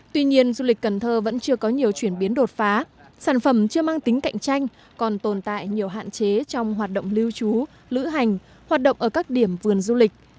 tuy nhiên du lịch cần thơ vẫn chưa có nhiều chuyển biến đột phá sản phẩm chưa mang tính cạnh tranh còn tồn tại nhiều hạn chế trong hoạt động lưu trú lữ hành hoạt động ở các điểm vườn du lịch